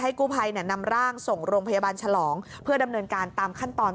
กู้ภัยนำร่างส่งโรงพยาบาลฉลองเพื่อดำเนินการตามขั้นตอน